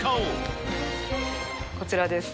こちらです。